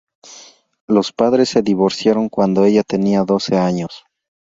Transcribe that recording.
Los padres se divorciaron cuando ella tenía doce años.